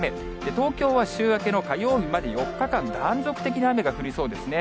東京は週明けの火曜日まで４日間、断続的に雨が降りそうですね。